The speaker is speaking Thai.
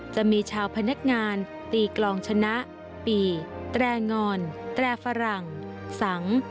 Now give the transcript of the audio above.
จะมีชาวพนักงานตีกลองชนะปีแตรงอนแตรฝรั่งสัง